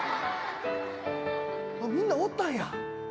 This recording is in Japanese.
あっみんなおったんや。